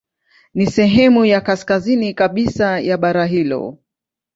Ni sehemu ya kaskazini kabisa ya bara hilo.